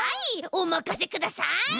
おまかせください！